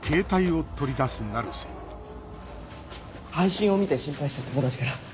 配信を見て心配した友達から。